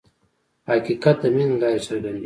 حقیقت د مینې له لارې څرګندېږي.